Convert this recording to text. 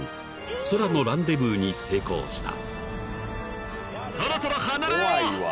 空のランデブーに成功した］